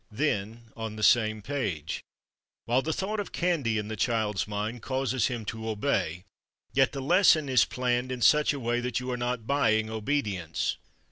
_'" Then on the same page: "_While the thought of candy in the child's mind causes him to obey, yet the lesson is planned in such a way that you are not buying obedience.